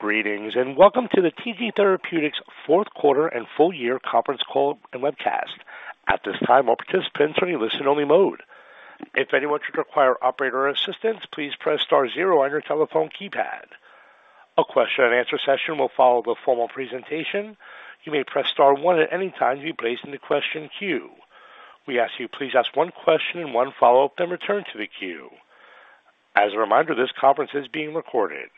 Greetings and welcome to the TG Therapeutics fourth quarter and full year conference call and webcast. At this time, all participants are in listen-only mode. If anyone should require operator assistance, please press star zero on your telephone keypad. A question-and-answer session will follow the formal presentation. You may press star one at any time to be placed in the question queue. We ask you to please ask one question and one follow-up and return to the queue. As a reminder, this conference is being recorded.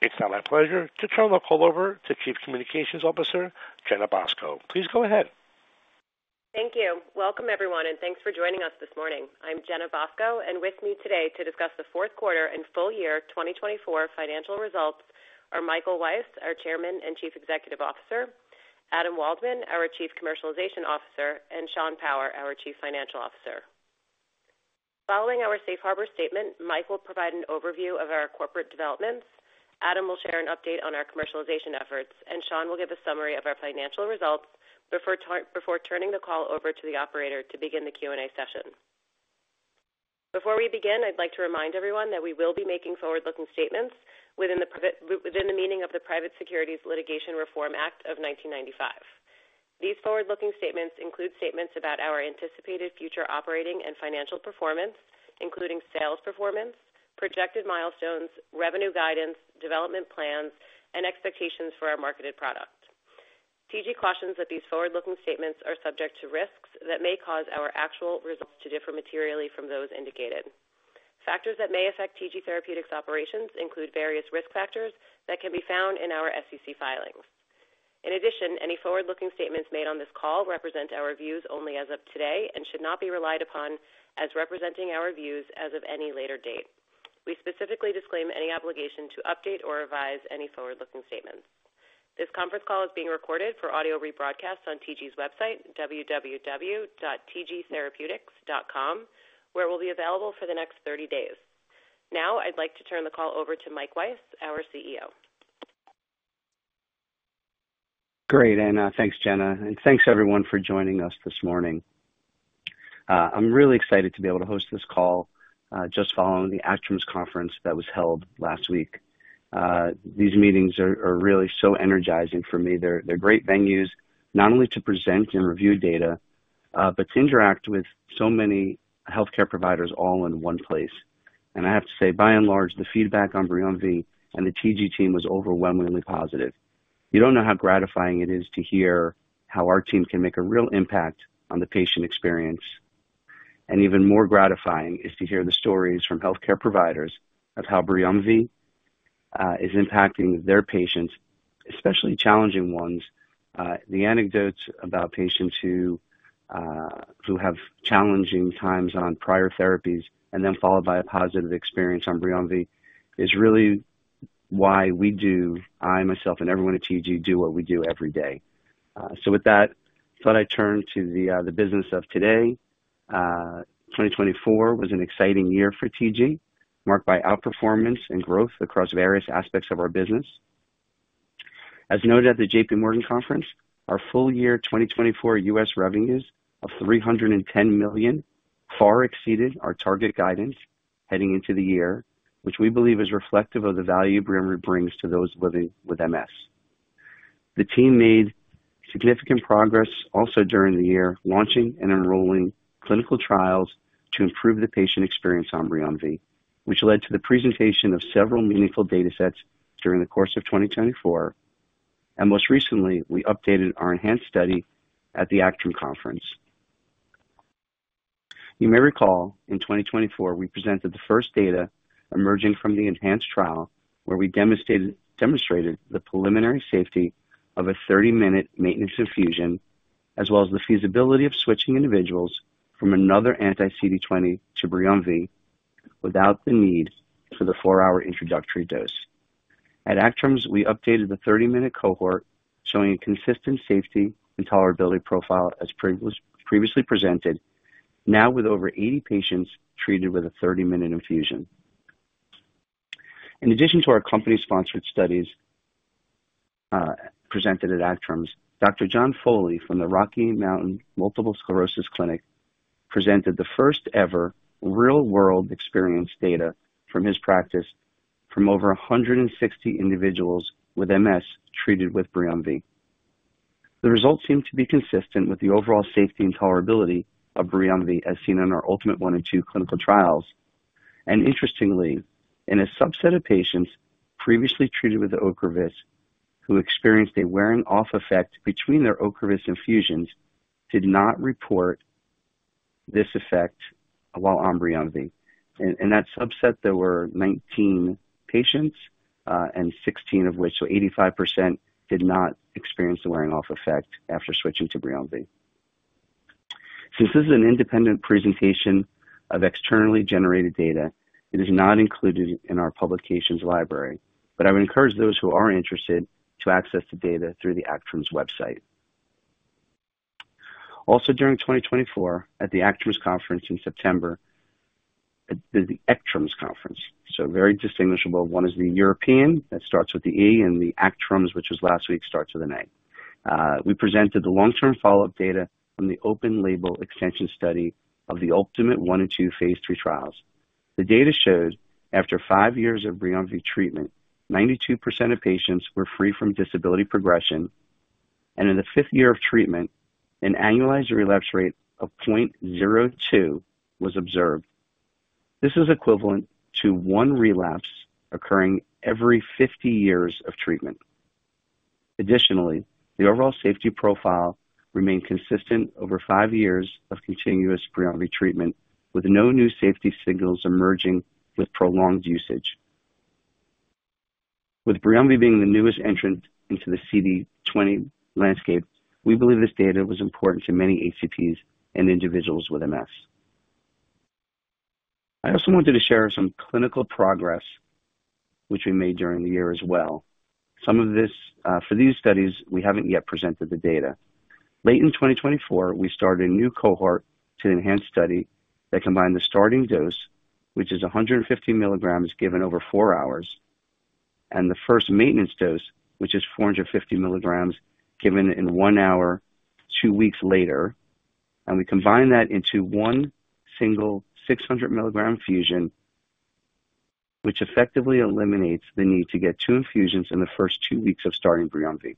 It's now my pleasure to turn the call over to Chief Communications Officer, Jenna Bosco. Please go ahead. Thank you. Welcome, everyone, and thanks for joining us this morning. I'm Jenna Bosco, and with me today to discuss the fourth quarter and full year 2024 financial results are Michael Weiss, our Chairman and Chief Executive Officer, Adam Waldman, our Chief Commercialization Officer, and Sean Power, our Chief Financial Officer. Following our Safe Harbor statement, Mike will provide an overview of our corporate developments, Adam will share an update on our commercialization efforts, and Sean will give a summary of our financial results before turning the call over to the operator to begin the Q&A session. Before we begin, I'd like to remind everyone that we will be making forward-looking statements within the meaning of the Private Securities Litigation Reform Act of 1995. These forward-looking statements include statements about our anticipated future operating and financial performance, including sales performance, projected milestones, revenue guidance, development plans, and expectations for our marketed product. TG cautions that these forward-looking statements are subject to risks that may cause our actual results to differ materially from those indicated. Factors that may affect TG Therapeutics' operations include various risk factors that can be found in our SEC filings. In addition, any forward-looking statements made on this call represent our views only as of today and should not be relied upon as representing our views as of any later date. We specifically disclaim any obligation to update or revise any forward-looking statements. This conference call is being recorded for audio rebroadcast on TG's website, www.tgtherapeutics.com, where it will be available for the next 30 days. Now, I'd like to turn the call over to Mike Weiss, our CEO. Great, and thanks, Jenna. And thanks, everyone, for joining us this morning. I'm really excited to be able to host this call just following the ACTRIMS conference that was held last week. These meetings are really so energizing for me. They're great venues, not only to present and review data, but to interact with so many healthcare providers all in one place. And I have to say, by and large, the feedback on BRIUMVI and the TG team was overwhelmingly positive. You don't know how gratifying it is to hear how our team can make a real impact on the patient experience. And even more gratifying is to hear the stories from healthcare providers of how BRIUMVI is impacting their patients, especially challenging ones. The anecdotes about patients who have challenging times on prior therapies and then followed by a positive experience on BRIUMVI is really why we do. I, myself, and everyone at TG do what we do every day, so with that, I thought I'd turn to the business of today. 2024 was an exciting year for TG, marked by outperformance and growth across various aspects of our business. As noted at the J.P. Morgan Conference, our full year 2024 U.S. revenues of $310 million far exceeded our target guidance heading into the year, which we believe is reflective of the value BRIUMVI brings to those living with MS. The team made significant progress also during the year launching and enrolling clinical trials to improve the patient experience on BRIUMVI, which led to the presentation of several meaningful data sets during the course of 2024. Most recently, we updated our ENHANCE study at the ACTRIMS conference. You may recall, in 2024, we presented the first data emerging from the ENHANCE trial, where we demonstrated the preliminary safety of a 30-minute maintenance infusion, as well as the feasibility of switching individuals from another anti-CD20 to BRIUMVI without the need for the four-hour introductory dose. At ACTRIMS, we updated the 30-minute cohort, showing a consistent safety and tolerability profile as previously presented, now with over 80 patients treated with a 30-minute infusion. In addition to our company-sponsored studies presented at ACTRIMS, Dr. John Foley from the Rocky Mountain Multiple Sclerosis Clinic presented the first-ever real-world experience data from his practice from over 160 individuals with MS treated with BRIUMVI. The results seemed to be consistent with the overall safety and tolerability of BRIUMVI as seen in our ULTIMATE I and II clinical trials. Interestingly, in a subset of patients previously treated with OCREVUS who experienced a wearing-off effect between their OCREVUS infusions, did not report this effect while on BRIUMVI. In that subset, there were 19 patients, and 16 of which, so 85%, did not experience the wearing-off effect after switching to BRIUMVI. Since this is an independent presentation of externally generated data, it is not included in our publications library. I would encourage those who are interested to access the data through the ACTRIMS website. Also, during 2024, at the ACTRIMS conference in September, the ECTRIMS conference, so very distinguishable, one is the European that starts with the E, and the ACTRIMS, which was last week, starts with an A. We presented the long-term follow-up data from the open-label extension study of the ULTIMATE I and II phase III trials. The data showed after five years of BRIUMVI treatment, 92% of patients were free from disability progression, and in the fifth year of treatment, an annualized relapse rate of 0.02 was observed. This is equivalent to one relapse occurring every 50 years of treatment. Additionally, the overall safety profile remained consistent over five years of continuous BRIUMVI treatment, with no new safety signals emerging with prolonged usage. With BRIUMVI being the newest entrant into the CD20 landscape, we believe this data was important to many HCPs and individuals with MS. I also wanted to share some clinical progress, which we made during the year as well. For these studies, we haven't yet presented the data. Late in 2024, we started a new cohort to the ENHANCE study that combined the starting dose, which is 150 mg given over four hours, and the first maintenance dose, which is 450 mg given in one hour two weeks later, and we combined that into one single 600 mg infusion, which effectively eliminates the need to get two infusions in the first two weeks of starting BRIUMVI.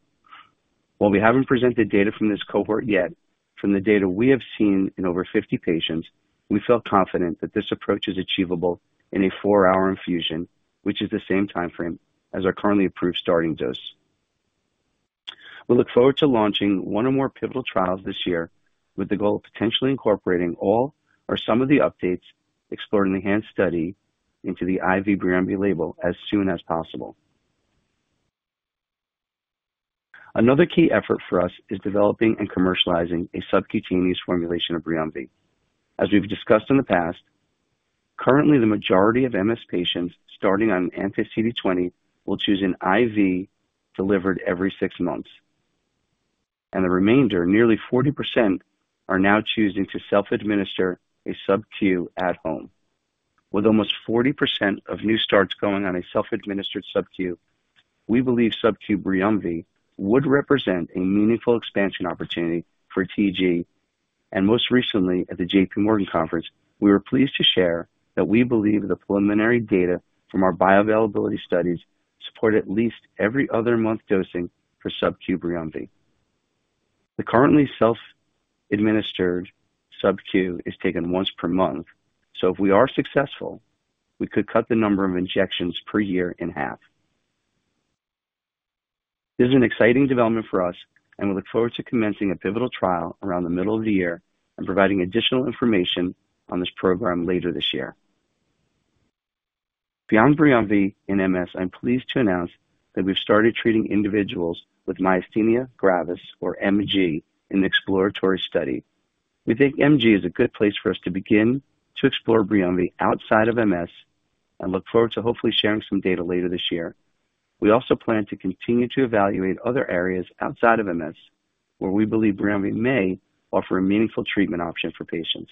While we haven't presented data from this cohort yet, from the data we have seen in over 50 patients, we feel confident that this approach is achievable in a four-hour infusion, which is the same timeframe as our currently approved starting dose. We look forward to launching one or more pivotal trials this year with the goal of potentially incorporating all or some of the updates explored in the ENHANCE study into the IV BRIUMVI label as soon as possible. Another key effort for us is developing and commercializing a subcutaneous formulation of BRIUMVI. As we've discussed in the past, currently, the majority of MS patients starting on anti-CD20 will choose an IV delivered every six months, and the remainder, nearly 40%, are now choosing to self-administer a SUB-Q at home. With almost 40% of new starts going on a self-administered SUB-Q, we believe SUB-Q BRIUMVI would represent a meaningful expansion opportunity for TG. Most recently, at the J.P. Morgan Conference, we were pleased to share that we believe the preliminary data from our bioavailability studies support at least every other month dosing for SUB-Q BRIUMVI. The currently self-administered SUB-Q is taken once per month, so if we are successful, we could cut the number of injections per year in half. This is an exciting development for us, and we look forward to commencing a pivotal trial around the middle of the year and providing additional information on this program later this year. Beyond BRIUMVI and MS, I'm pleased to announce that we've started treating individuals with myasthenia gravis, or MG, in the exploratory study. We think MG is a good place for us to begin to explore BRIUMVI outside of MS and look forward to hopefully sharing some data later this year. We also plan to continue to evaluate other areas outside of MS where we believe BRIUMVI may offer a meaningful treatment option for patients.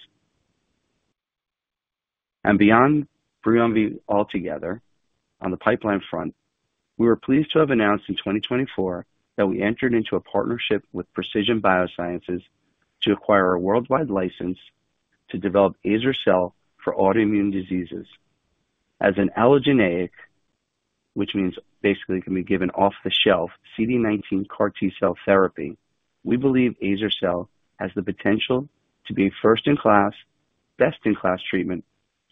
And beyond BRIUMVI altogether, on the pipeline front, we were pleased to have announced in 2024 that we entered into a partnership with Precision BioSciences to acquire a worldwide license to develop azer-cel for autoimmune diseases. As an allogeneic, which means basically it can be given off the shelf, CD19 CAR T cell therapy, we believe azer-cel has the potential to be first-in-class, best-in-class treatment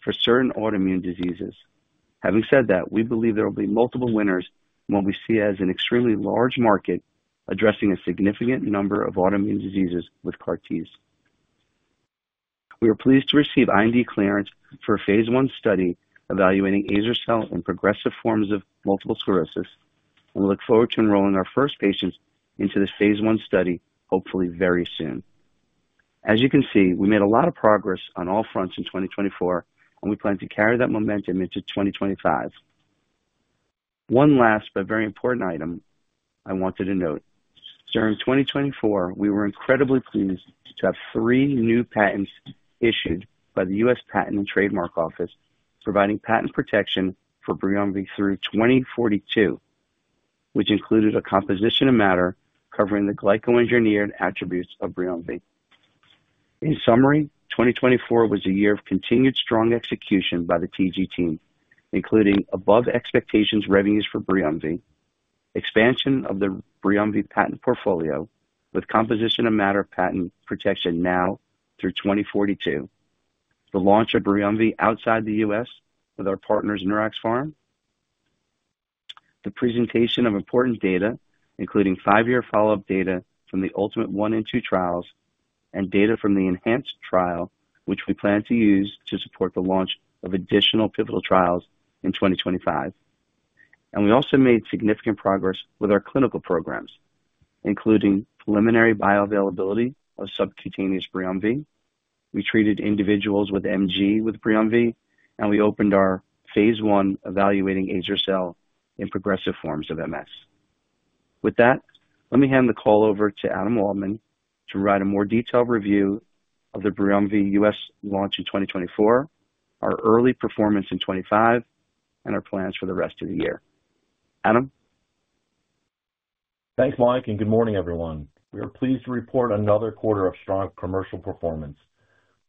for certain autoimmune diseases. Having said that, we believe there will be multiple winners in what we see as an extremely large market addressing a significant number of autoimmune diseases with CAR-Ts. We are pleased to receive IND clearance for a phase I study evaluating azer-cel in progressive forms of multiple sclerosis, and we look forward to enrolling our first patients into this phase I study, hopefully very soon. As you can see, we made a lot of progress on all fronts in 2024, and we plan to carry that momentum into 2025. One last but very important item I wanted to note. During 2024, we were incredibly pleased to have three new patents issued by the U.S. Patent and Trademark Office, providing patent protection for BRIUMVI through 2042, which included a composition of matter covering the glycoengineered attributes of BRIUMVI. In summary, 2024 was a year of continued strong execution by the TG team, including above-expectations revenues for BRIUMVI, expansion of the BRIUMVI patent portfolio with composition of matter patent protection now through 2042, the launch of BRIUMVI outside the U.S. with our partners, Neuraxpharm, the presentation of important data, including five-year follow-up data from the ULTIMATE I and II trials, and data from the ENHANCE trial, which we plan to use to support the launch of additional pivotal trials in 2025, and we also made significant progress with our clinical programs, including preliminary bioavailability of subcutaneous BRIUMVI. We treated individuals with MG with BRIUMVI, and we opened our phase I evaluating azer-cel in progressive forms of MS. With that, let me hand the call over to Adam Waldman to provide a more detailed review of the BRIUMVI U.S. launch in 2024, our early performance in 2025, and our plans for the rest of the year. Adam. Thanks, Mike, and good morning, everyone. We are pleased to report another quarter of strong commercial performance,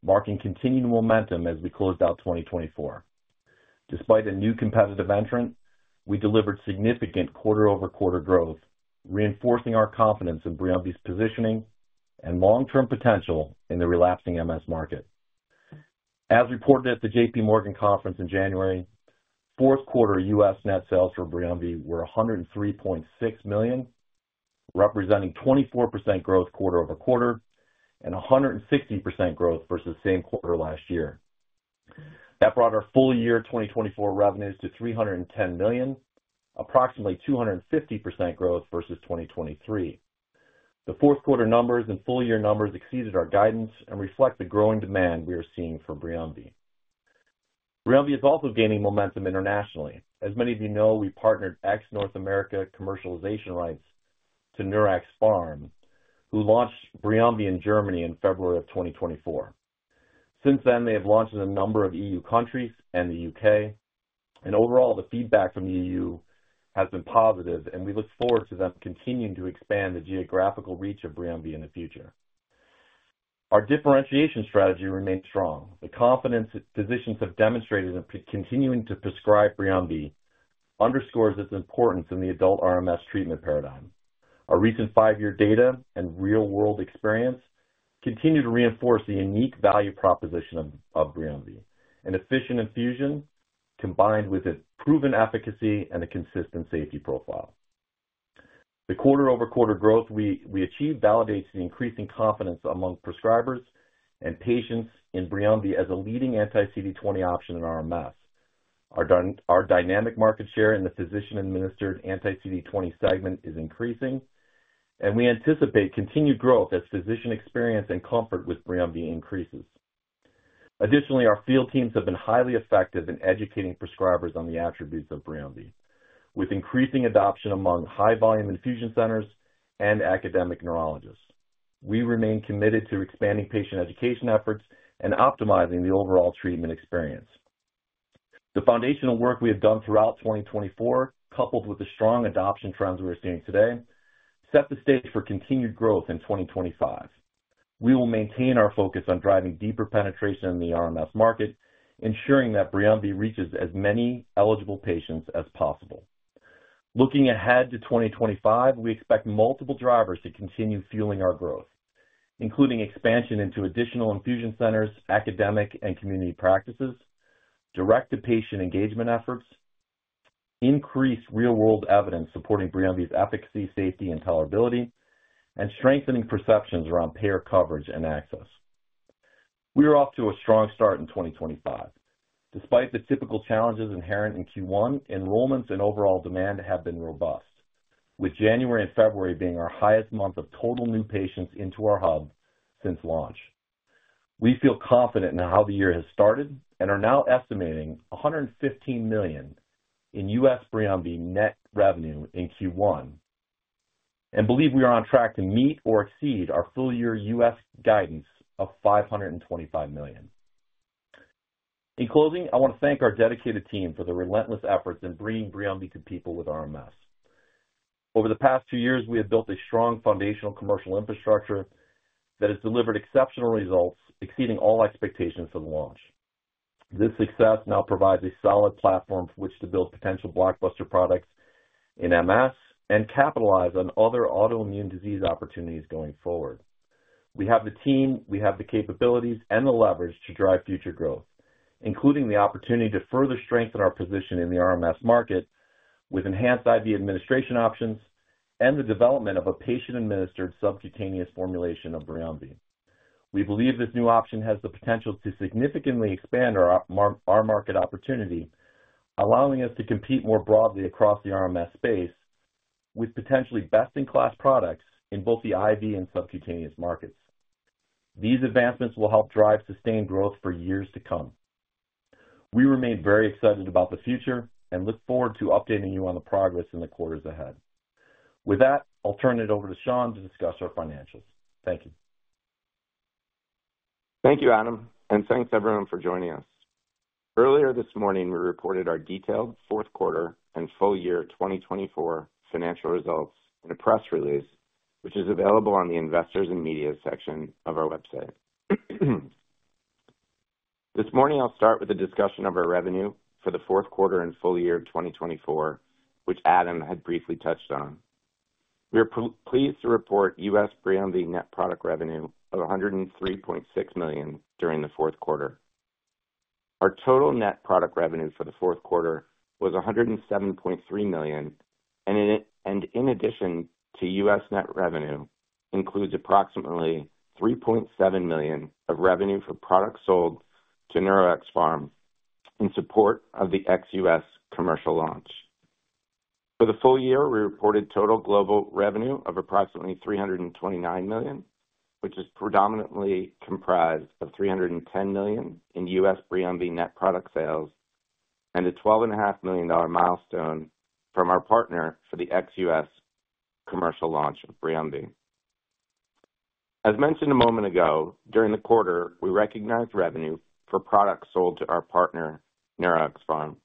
marking continued momentum as we close out 2024. Despite a new competitive entrant, we delivered significant quarter-over-quarter growth, reinforcing our confidence in BRIUMVI's positioning and long-term potential in the relapsing MS market. As reported at the J.P. Morgan Conference in January, fourth quarter U.S. net sales for BRIUMVI were $103.6 million, representing 24% growth quarter over quarter and 160% growth versus the same quarter last year. That brought our full year 2024 revenues to $310 million, approximately 250% growth versus 2023. The fourth quarter numbers and full year numbers exceeded our guidance and reflect the growing demand we are seeing for BRIUMVI. BRIUMVI is also gaining momentum internationally. As many of you know, we partnered ex-North America commercialization rights to Neuraxpharm, who launched BRIUMVI in Germany in February of 2024. Since then, they have launched in a number of EU countries and the U.K. Overall, the feedback from the EU has been positive, and we look forward to them continuing to expand the geographical reach of BRIUMVI in the future. Our differentiation strategy remains strong. The confidence physicians have demonstrated in continuing to prescribe BRIUMVI underscores its importance in the adult RMS treatment paradigm. Our recent five-year data and real-world experience continue to reinforce the unique value proposition of BRIUMVI, an efficient infusion combined with a proven efficacy and a consistent safety profile. The quarter-over-quarter growth we achieved validates the increasing confidence among prescribers and patients in BRIUMVI as a leading anti-CD20 option in RMS. Our dynamic market share in the physician-administered anti-CD20 segment is increasing, and we anticipate continued growth as physician experience and comfort with BRIUMVI increases. Additionally, our field teams have been highly effective in educating prescribers on the attributes of BRIUMVI, with increasing adoption among high-volume infusion centers and academic neurologists. We remain committed to expanding patient education efforts and optimizing the overall treatment experience. The foundational work we have done throughout 2024, coupled with the strong adoption trends we're seeing today, set the stage for continued growth in 2025. We will maintain our focus on driving deeper penetration in the RMS market, ensuring that BRIUMVI reaches as many eligible patients as possible. Looking ahead to 2025, we expect multiple drivers to continue fueling our growth, including expansion into additional infusion centers, academic and community practices, direct-to-patient engagement efforts, increased real-world evidence supporting BRIUMVI's efficacy, safety, and tolerability, and strengthening perceptions around payer coverage and access. We are off to a strong start in 2025. Despite the typical challenges inherent in Q1, enrollments and overall demand have been robust, with January and February being our highest month of total new patients into our hub since launch. We feel confident in how the year has started and are now estimating $115 million in U.S. BRIUMVI net revenue in Q1, and believe we are on track to meet or exceed our full year U.S. guidance of $525 million. In closing, I want to thank our dedicated team for the relentless efforts in bringing BRIUMVI to people with RMS. Over the past two years, we have built a strong foundational commercial infrastructure that has delivered exceptional results, exceeding all expectations for the launch. This success now provides a solid platform for which to build potential blockbuster products in MS and capitalize on other autoimmune disease opportunities going forward. We have the team, we have the capabilities, and the leverage to drive future growth, including the opportunity to further strengthen our position in the RMS market with enhanced IV administration options and the development of a patient-administered subcutaneous formulation of BRIUMVI. We believe this new option has the potential to significantly expand our market opportunity, allowing us to compete more broadly across the RMS space with potentially best-in-class products in both the IV and subcutaneous markets. These advancements will help drive sustained growth for years to come. We remain very excited about the future and look forward to updating you on the progress in the quarters ahead. With that, I'll turn it over to Sean to discuss our financials. Thank you. Thank you, Adam, and thanks everyone for joining us. Earlier this morning, we reported our detailed fourth quarter and full year 2024 financial results in a press release, which is available on the investors and media section of our website. This morning, I'll start with a discussion of our revenue for the fourth quarter and full year 2024, which Adam had briefly touched on. We are pleased to report U.S. BRIUMVI net product revenue of $103.6 million during the fourth quarter. Our total net product revenue for the fourth quarter was $107.3 million, and in addition to U.S. net revenue, includes approximately $3.7 million of revenue for products sold to Neuraxpharm in support of the ex-U.S. commercial launch. For the full year, we reported total global revenue of approximately $329 million, which is predominantly comprised of $310 million in U.S. BRIUMVI net product sales, and a $12.5 million milestone from our partner for the ex-U.S. commercial launch of BRIUMVI. As mentioned a moment ago, during the quarter, we recognized revenue for products sold to our partner, Neuraxpharm.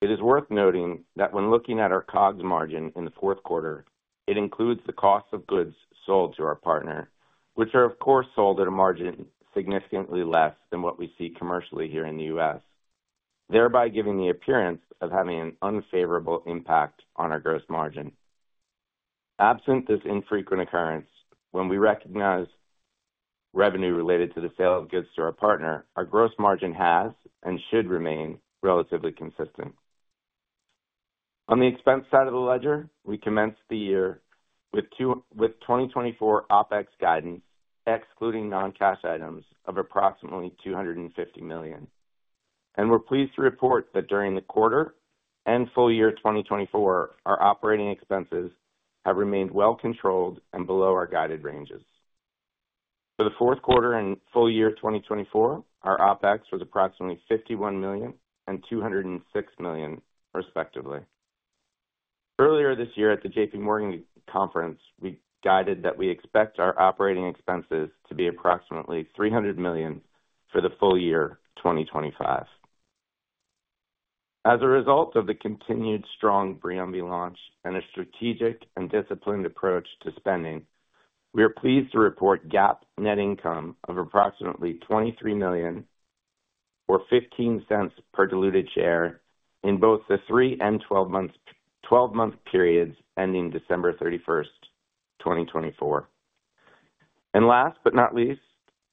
It is worth noting that when looking at our gross margin in the fourth quarter, it includes the cost of goods sold to our partner, which are, of course, sold at a margin significantly less than what we see commercially here in the U.S., thereby giving the appearance of having an unfavorable impact on our gross margin. Absent this infrequent occurrence, when we recognize revenue related to the sale of goods to our partner, our gross margin has and should remain relatively consistent. On the expense side of the ledger, we commenced the year with 2024 OpEx guidance, excluding non-cash items of approximately $250 million. We're pleased to report that during the quarter and full year 2024, our operating expenses have remained well controlled and below our guided ranges. For the fourth quarter and full year 2024, our OpEx was approximately $51 million and $206 million, respectively. Earlier this year at the J.P. Morgan Conference, we guided that we expect our operating expenses to be approximately $300 million for the full year 2025. As a result of the continued strong BRIUMVI launch and a strategic and disciplined approach to spending, we are pleased to report GAAP net income of approximately $23 million or $0.15 per diluted share in both the three and 12-month periods ending December 31st, 2024. And last but not least,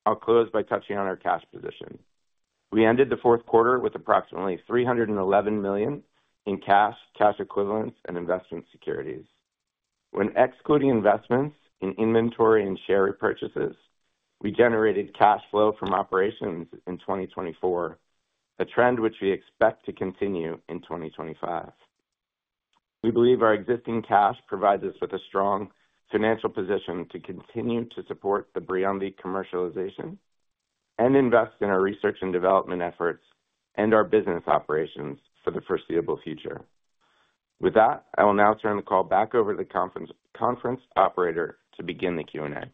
I'll close by touching on our cash position. We ended the fourth quarter with approximately $311 million in cash, cash equivalents, and investment securities. When excluding investments in inventory and share repurchases, we generated cash flow from operations in 2024, a trend which we expect to continue in 2025. We believe our existing cash provides us with a strong financial position to continue to support the BRIUMVI commercialization and invest in our research and development efforts and our business operations for the foreseeable future. With that, I will now turn the call back over to the conference operator to begin the Q&A.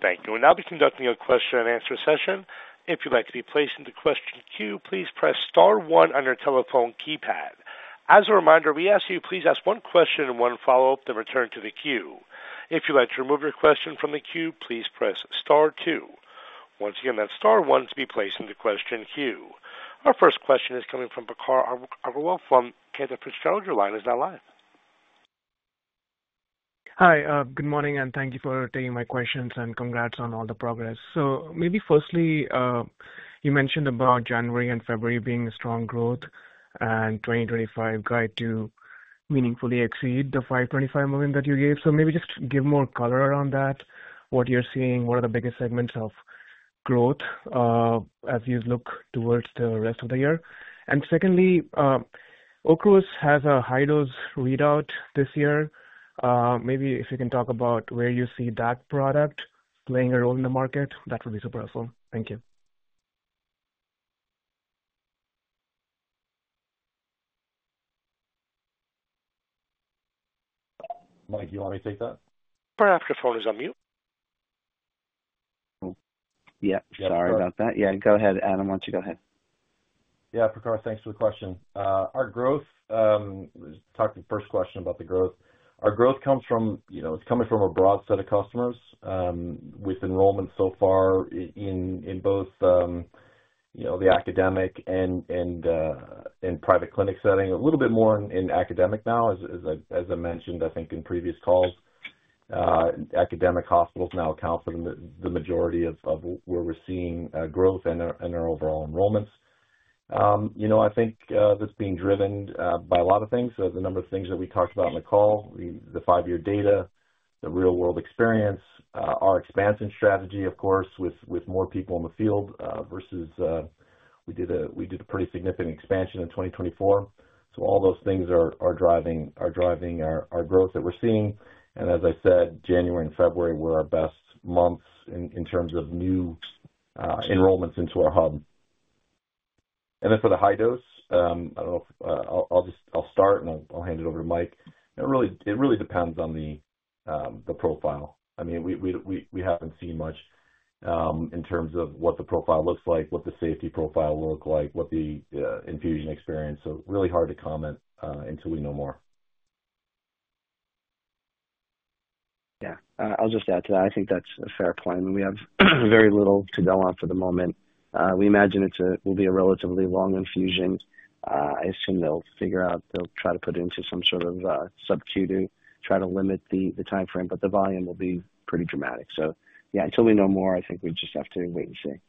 Thank you. We'll now be conducting a question-and-answer session. If you'd like to be placed in the question queue, please press star one on your telephone keypad. As a reminder, we ask you to please ask one question and one follow-up to return to the queue. If you'd like to remove your question from the queue, please press star two. Once again, that's star one to be placed in the question queue. Our first question is coming from Prakhar Agrawal with Cantor Fitzgerald. Your line is now live. Hi, good morning, and thank you for taking my questions and congrats on all the progress. So maybe firstly, you mentioned about January and February being a strong growth and 2025 guide to meaningfully exceed the $525 million that you gave. So maybe just give more color around that, what you're seeing, what are the biggest segments of growth as you look towards the rest of the year. And secondly, OCREVUS has a high-dose readout this year. Maybe if you can talk about where you see that product playing a role in the market, that would be super helpful. Thank you. Mike, do you want me to take that? Perhaps the phone is on mute. Yeah, sorry about that. Yeah, go ahead, Adam. Why don't you go ahead? Yeah, Prakhar, thanks for the question. Our growth, taking the first question about the growth, our growth comes from, it's coming from a broad set of customers with enrollments so far in both the academic and private clinic setting. A little bit more in academic now, as I mentioned, I think in previous calls, academic hospitals now account for the majority of where we're seeing growth in our overall enrollments. I think that's being driven by a lot of things. The number of things that we talked about in the call, the five-year data, the real-world experience, our expansion strategy, of course, with more people in the field what we did a pretty significant expansion in 2024. So all those things are driving our growth that we're seeing. And as I said, January and February were our best months in terms of new enrollments into our hub. Then for the high dose, I don't know if I'll start and I'll hand it over to Mike. It really depends on the profile. I mean, we haven't seen much in terms of what the profile looks like, what the safety profile will look like, what the infusion experience. So really hard to comment until we know more. Yeah, I'll just add to that. I think that's a fair point. We have very little to go on for the moment. We imagine it will be a relatively long infusion. I assume they'll figure out, they'll try to put it into some sort of SUB-Q to try to limit the timeframe, but the volume will be pretty dramatic. So yeah, until we know more, I think we just have to wait and see.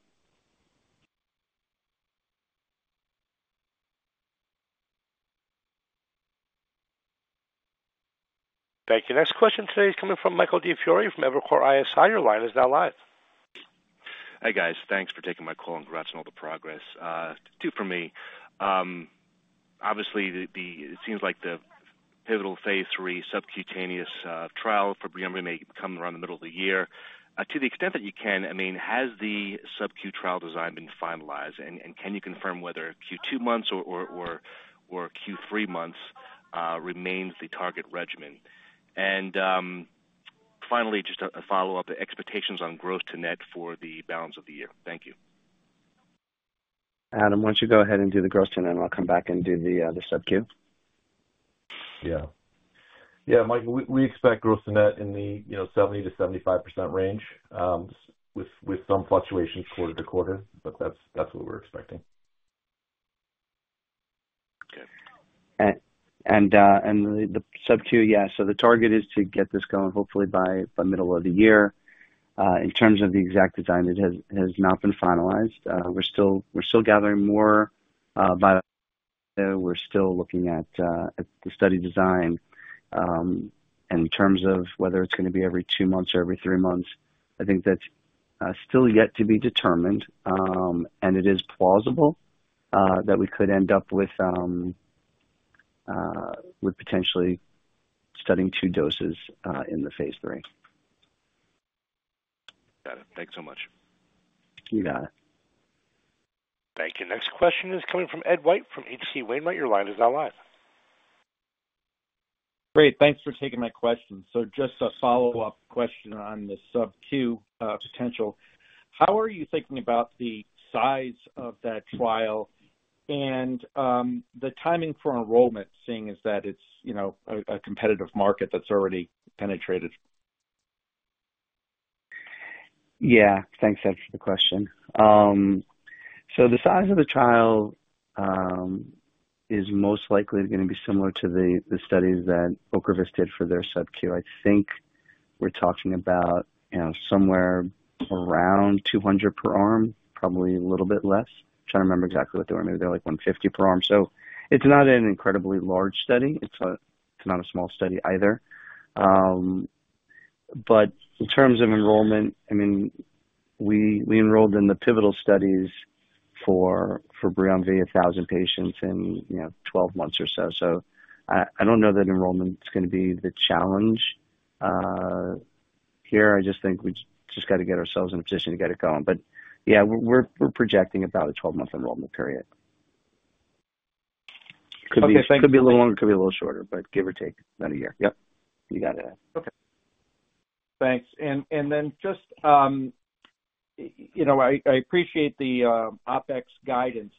Thank you. Next question today is coming from Michael DiFiore from Evercore ISI. Your line is now live. Hey, guys. Thanks for taking my call and congrats on all the progress. Two for me. Obviously, it seems like the pivotal phase III subcutaneous trial for BRIUMVI may come around the middle of the year. To the extent that you can, I mean, has the SUB-Q trial design been finalized? And can you confirm whether Q2 months or Q3 months remains the target regimen? And finally, just a follow-up, expectations on gross to net for the balance of the year. Thank you. Adam, why don't you go ahead and do the gross to net and I'll come back and do the SUB-Q? Yeah. Yeah, Mike, we expect gross to net in the 70%-75% range with some fluctuations quarter to quarter, but that's what we're expecting. Okay. And the SUB-Q, yeah, so the target is to get this going hopefully by middle of the year. In terms of the exact design, it has not been finalized. We're still gathering more data there. We're still looking at the study design. And in terms of whether it's going to be every two months or every three months, I think that's still yet to be determined. And it is plausible that we could end up with potentially studying two doses in the phase III. Got it. Thanks so much. You got it. Thank you. Next question is coming from Ed White from H.C. Wainwright. Mike, your line is now live. Great. Thanks for taking my question. So just a follow-up question on the SUB-Q potential. How are you thinking about the size of that trial and the timing for enrollment, seeing as that it's a competitive market that's already penetrated? Yeah. Thanks, Ed, for the question. So the size of the trial is most likely going to be similar to the studies that OCREVUS did for their SUB-Q. I think we're talking about somewhere around 200 per arm, probably a little bit less. Trying to remember exactly what they were. Maybe they were like 150 per arm. So it's not an incredibly large study. It's not a small study either. But in terms of enrollment, I mean, we enrolled in the pivotal studies for BRIUMVI, 1,000 patients in 12 months or so. So I don't know that enrollment's going to be the challenge here. I just think we just got to get ourselves in a position to get it going. But yeah, we're projecting about a 12-month enrollment period. Could be a little longer, could be a little shorter, but give or take about a year. Yep. You got it. Okay. Thanks. And then just, I appreciate the OpEx guidance.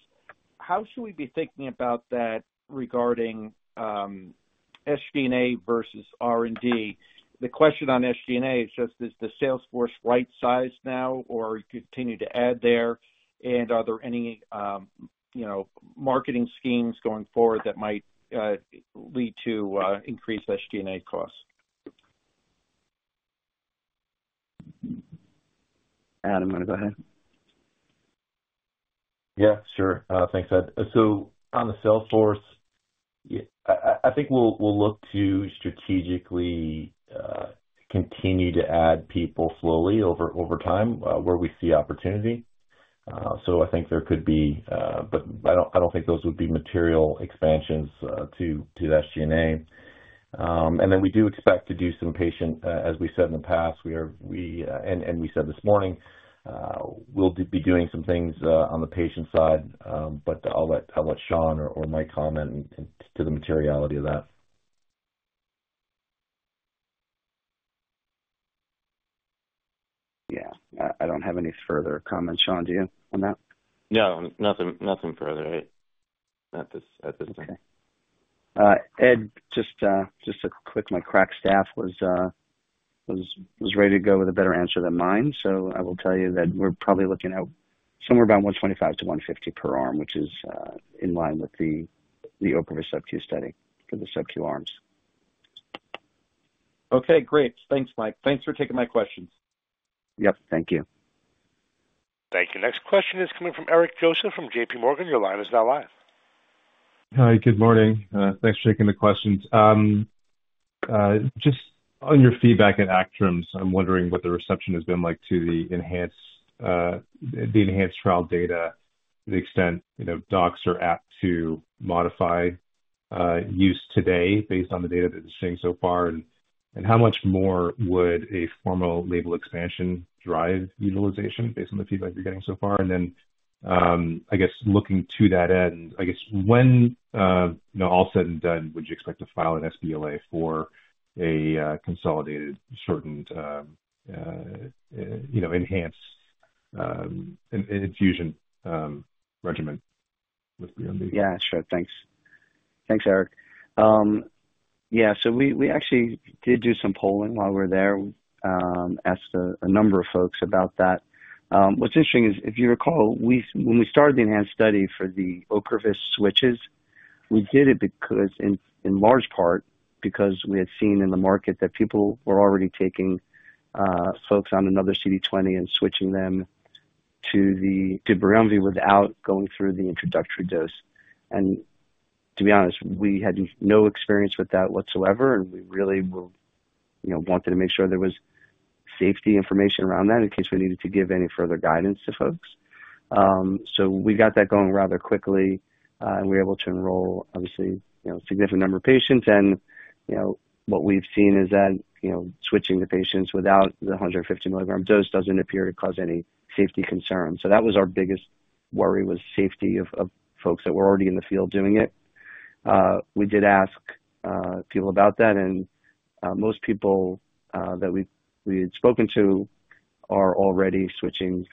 How should we be thinking about that regarding SG&A versus R&D? The question on SG&A is just, is the sales force right-sized now, or continue to add there? And are there any marketing schemes going forward that might lead to increased SG&A costs? Adam, you want to go ahead? Yeah, sure. Thanks, Ed. So on the sales force, I think we'll look to strategically continue to add people slowly over time where we see opportunity. So I think there could be, but I don't think those would be material expansions to the SG&A. And then we do expect to do some patient, as we said in the past, and we said this morning, we'll be doing some things on the patient side, but I'll let Sean or Mike comment to the materiality of that. Yeah. I don't have any further comments. Sean, do you on that? No, nothing further. At this time. Okay. Ed, just to quickly, my crack staff was ready to go with a better answer than mine. So I will tell you that we're probably looking at somewhere around 125-150 per arm, which is in line with the OCREVUS SUB-Q study for the SUB-Q arms. Okay, great. Thanks, Mike. Thanks for taking my questions. Yep. Thank you. Thank you. Next question is coming from Eric Joseph from J.P. Morgan. Your line is now live. Hi, good morning. Thanks for taking the questions. Just on your feedback at ACTRIMS, I'm wondering what the reception has been like to the enhanced trial data, to the extent docs are apt to modify use today based on the data that you're seeing so far. And how much more would a formal label expansion drive utilization based on the feedback you're getting so far? And then I guess looking to that end, I guess when all said and done, would you expect to file an sBLA for a consolidated, shortened enhanced infusion regimen with BRIUMVI? Yeah, sure. Thanks. Thanks, Eric. Yeah, so we actually did do some polling while we were there. Asked a number of folks about that. What's interesting is, if you recall, when we started the enhanced study for the OCREVUS switches, we did it in large part because we had seen in the market that people were already taking folks on another CD20 and switching them to the BRIUMVI without going through the introductory dose. And to be honest, we had no experience with that whatsoever, and we really wanted to make sure there was safety information around that in case we needed to give any further guidance to folks. So we got that going rather quickly, and we were able to enroll, obviously, a significant number of patients. And what we've seen is that switching the patients without the 150 mg dose doesn't appear to cause any safety concerns. So that was our biggest worry, was safety of folks that were already in the field doing it. We did ask people about that, and most people that we had spoken to are already switching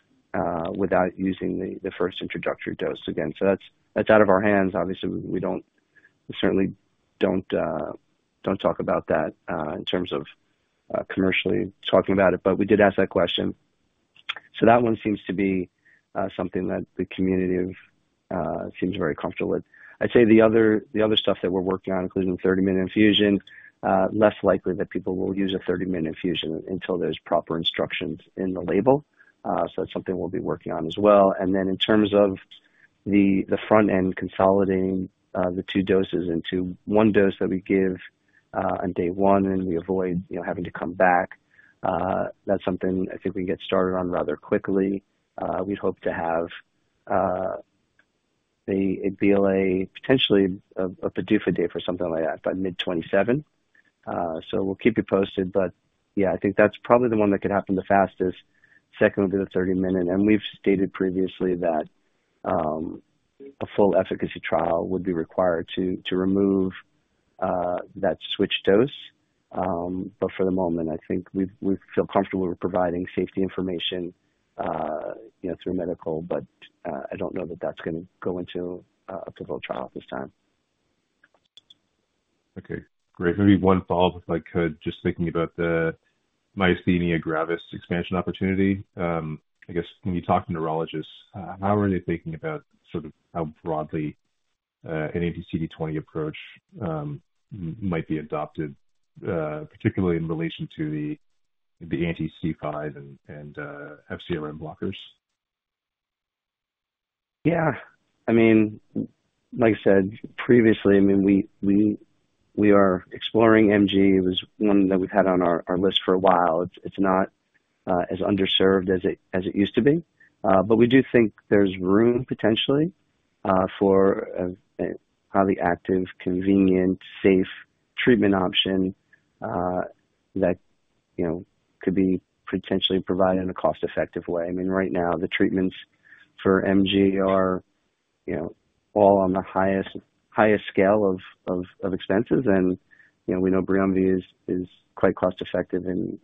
without using the first introductory dose again. So that's out of our hands. Obviously, we certainly don't talk about that in terms of commercially talking about it, but we did ask that question. So that one seems to be something that the community seems very comfortable with. I'd say the other stuff that we're working on, including the 30-minute infusion, less likely that people will use a 30-minute infusion until there's proper instructions in the label. So that's something we'll be working on as well. And then in terms of the front end consolidating the two doses into one dose that we give on day one and we avoid having to come back, that's something I think we can get started on rather quickly. We'd hope to have a BLA, potentially a PDUFA date for something like that, but mid-2027. So we'll keep you posted. But yeah, I think that's probably the one that could happen the fastest. Second would be the 30-minute. And we've stated previously that a full efficacy trial would be required to remove that switch dose. But for the moment, I think we feel comfortable with providing safety information through medical, but I don't know that that's going to go into a pivotal trial at this time. Okay. Great. Maybe one follow-up, if I could, just thinking about the Myasthenia Gravis expansion opportunity. I guess when you talk to neurologists, how are they thinking about sort of how broadly an anti-CD20 approach might be adopted, particularly in relation to the anti-C5 and FcRn blockers? Yeah. I mean, like I said previously, I mean, we are exploring MG. It was one that we've had on our list for a while. It's not as underserved as it used to be. But we do think there's room potentially for a highly active, convenient, safe treatment option that could be potentially provided in a cost-effective way. I mean, right now, the treatments for MG are all on the highest scale of expenses. And we know BRIUMVI is quite cost-effective in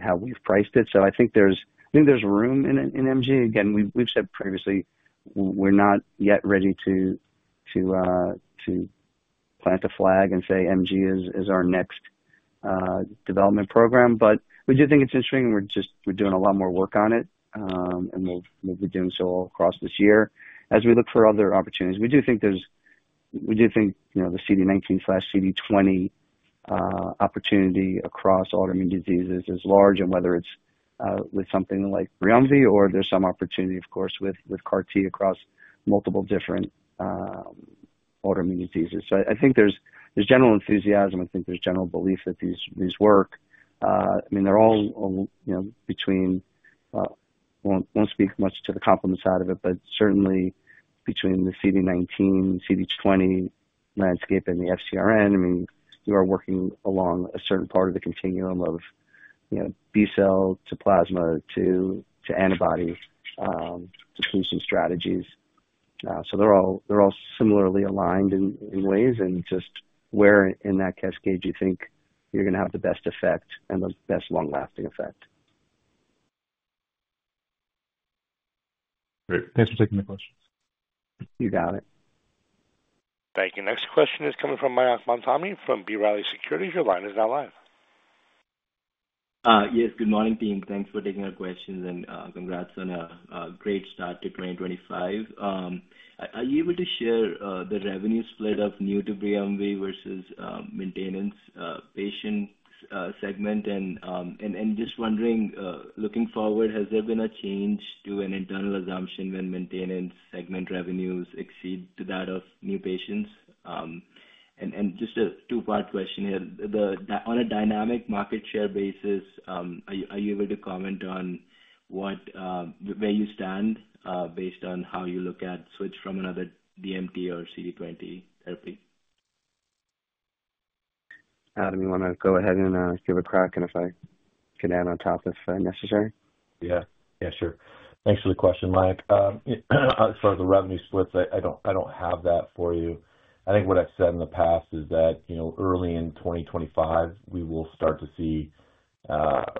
how we've priced it. So I think there's room in MG. Again, we've said previously, we're not yet ready to plant a flag and say MG is our next development program. But we do think it's interesting, and we're doing a lot more work on it, and we'll be doing so all across this year as we look for other opportunities. We do think there's the CD19/CD20 opportunity across autoimmune diseases is large, and whether it's with something like BRIUMVI, or there's some opportunity, of course, with CAR-T across multiple different autoimmune diseases. So I think there's general enthusiasm. I think there's general belief that these work. I mean, they're all between won't speak much to the complement side of it, but certainly between the CD19/CD20 landscape, and the FcRn, I mean. Who are working along a certain part of the continuum of B-cell to plasma to antibody depletion strategies. So they're all similarly aligned in ways, and just where in that cascade do you think you're going to have the best effect and the best long-lasting effect? Great. Thanks for taking the question. You got it. Thank you. Next question is coming from Mayank Mamtani from B. Riley Securities. Your line is now live. Yes, good morning, team. Thanks for taking our questions, and congrats on a great start to 2025. Are you able to share the revenue split of new-to-BRIUMVI versus maintenance patient segment? And just wondering, looking forward, has there been a change to an internal assumption when maintenance segment revenues exceed that of new patients? And just a two-part question here. On a dynamic market share basis, are you able to comment on where you stand based on how you look at switch from another DMT or CD20 therapy? Adam, you want to go ahead and give a crack and if I can add on top if necessary? Yeah. Yeah, sure. Thanks for the question, Mike. As far as the revenue splits, I don't have that for you. I think what I've said in the past is that early in 2025, we will start to see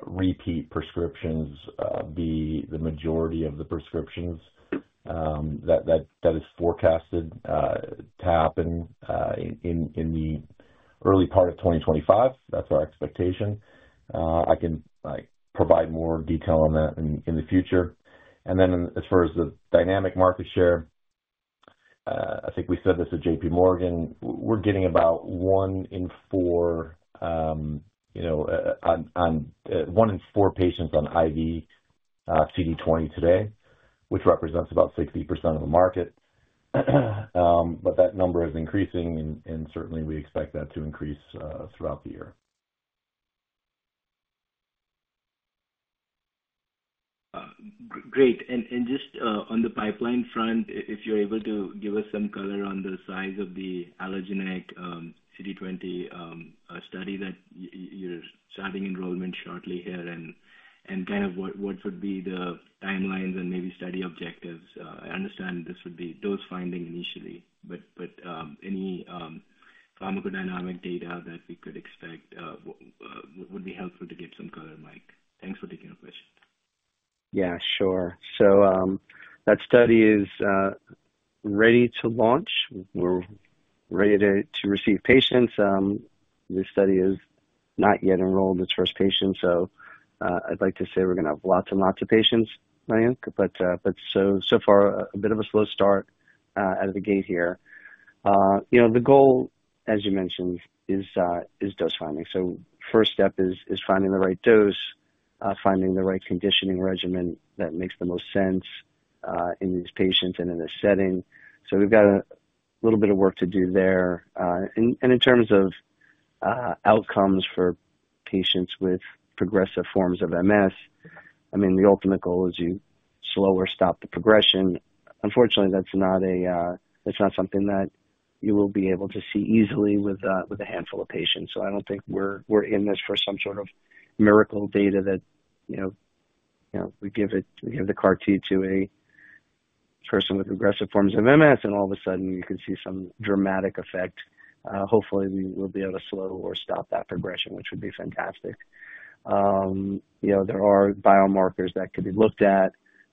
repeat prescriptions be the majority of the prescriptions that is forecasted to happen in the early part of 2025. That's our expectation. I can provide more detail on that in the future. And then as far as the dynamic market share, I think we said this at J.P. Morgan, we're getting about one in four of one in four patients on IV CD20 today, which represents about 60% of the market. But that number is increasing, and certainly we expect that to increase throughout the year. Great. And just on the pipeline front, if you're able to give us some color on the size of the allogeneic CD20 study that you're starting enrollment shortly here, and kind of what would be the timelines and maybe study objectives? I understand this would be dose finding initially, but any pharmacodynamic data that we could expect would be helpful to get some color, Mike. Thanks for taking our questions. Yeah, sure. So that study is ready to launch. We're ready to receive patients. This study is not yet enrolled in its first patients. So I'd like to say we're going to have lots and lots of patients, Mayank. But so far, a bit of a slow start out of the gate here. The goal, as you mentioned, is dose finding. So first step is finding the right dose, finding the right conditioning regimen that makes the most sense in these patients and in this setting. So we've got a little bit of work to do there. And in terms of outcomes for patients with progressive forms of MS, I mean, the ultimate goal is to slow or stop the progression. Unfortunately, that's not something that you will be able to see easily with a handful of patients. So I don't think we're in this for some sort of miracle data that we give the CAR-T to a person with aggressive forms of MS, and all of a sudden, you can see some dramatic effect. Hopefully, we'll be able to slow or stop that progression, which would be fantastic. There are biomarkers that could be looked at.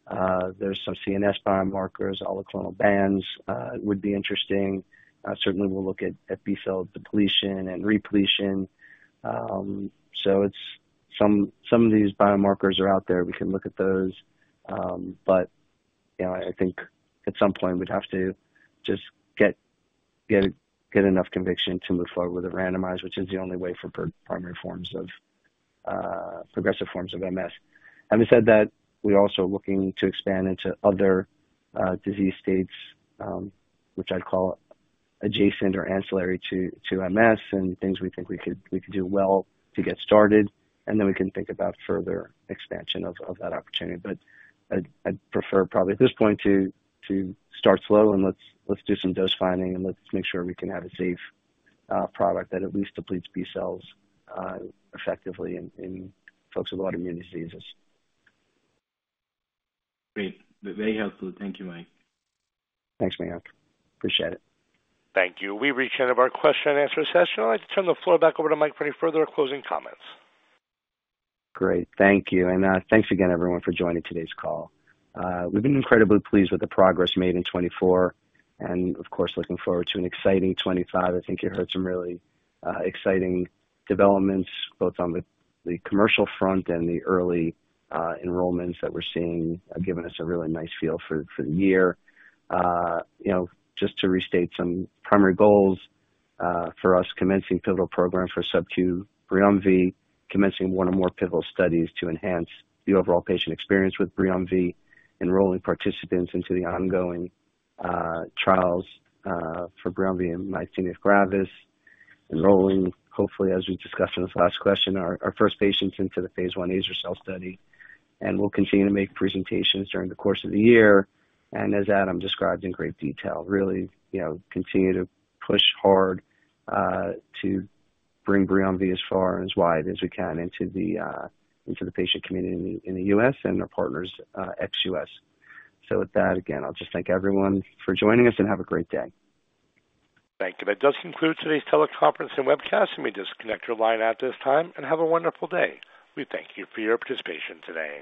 There's some CNS biomarkers, oligoclonal bands would be interesting. Certainly, we'll look at B-cell depletion and repletion. So some of these biomarkers are out there. We can look at those. But I think at some point, we'd have to just get enough conviction to move forward with a randomized, which is the only way for primary forms of progressive forms of MS. Having said that, we're also looking to expand into other disease states, which I'd call adjacent or ancillary to MS, and things we think we could do well to get started. And then we can think about further expansion of that opportunity. But I'd prefer probably at this point to start slow, and let's do some dose finding, and let's make sure we can have a safe product that at least depletes B-cells effectively in folks with autoimmune diseases. Great. Very helpful. Thank you, Mike. Thanks, Mayank. Appreciate it. Thank you. We reached the end of our question and answer session. I'd like to turn the floor back over to Mike for any further closing comments. Great. Thank you. And thanks again, everyone, for joining today's call. We've been incredibly pleased with the progress made in 2024, and of course, looking forward to an exciting 2025. I think you heard some really exciting developments, both on the commercial front and the early enrollments that we're seeing, giving us a really nice feel for the year. Just to restate some primary goals for us, commencing pivotal program for SUB-Q BRIUMVI, commencing one or more pivotal studies to enhance the overall patient experience with BRIUMVI, enrolling participants into the ongoing trials for BRIUMVI and myasthenia gravis, enrolling, hopefully, as we discussed in this last question, our first patients into the phase I azer-cel study. And we'll continue to make presentations during the course of the year, and as Adam described in great detail, really continue to push hard to bring BRIUMVI as far and as wide as we can into the patient community in the U.S. and our partners ex-U.S. So with that, again, I'll just thank everyone for joining us and have a great day. Thank you. That does conclude today's teleconference and webcast, and we will disconnect your line at this time. Have a wonderful day. We thank you for your participation today.